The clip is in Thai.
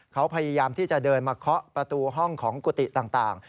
เขาพยายามที่จะเดินมาเคาะประตูห้องของกุฏิต่าง